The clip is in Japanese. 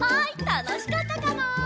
たのしかったかな？